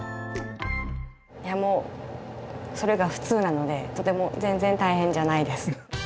いやもうそれが普通なのでとても全然大変じゃないです。